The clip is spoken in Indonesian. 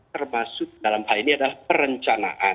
termasuk dalam hal ini adalah perencanaan